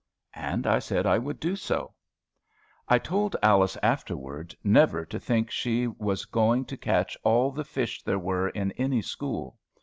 And I said I would do so. I told Alice afterward never to think she was going to catch all the fish there were in any school.